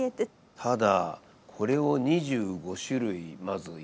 ただこれを２５種類まずやる。